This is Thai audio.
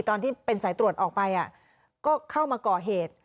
ตอนที่เป็นสายตรวจออกไปก็เข้ามาก่อเหตุ